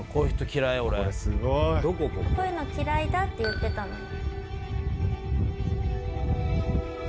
これすごい！こういうの嫌いだって言ってたのに。